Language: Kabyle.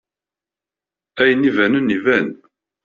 Ayen ibanen iban!